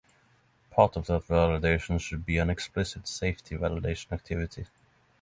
Part of that validation should be an explicit safety validation activity.